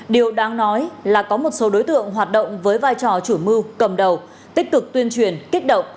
điều đáng nói là có một số đối tượng hoạt động với vai trò chủ mưu cầm đầu tích cực tuyên truyền kích động